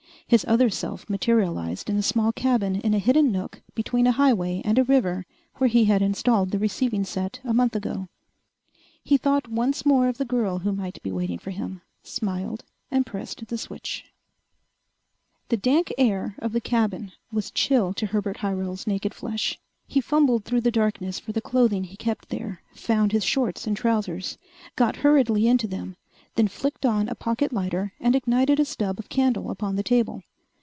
His other self materialized in a small cabin in a hidden nook between a highway and a river where he had installed the receiving set a month ago. He thought once more of the girl who might be waiting for him, smiled, and pressed the switch. The dank air of the cabin was chill to Herbert Hyrel's naked flesh. He fumbled through the darkness for the clothing he kept there, found his shorts and trousers, got hurriedly into them, then flicked on a pocket lighter and ignited a stub of candle upon the table.